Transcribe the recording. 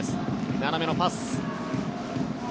斜めのパス。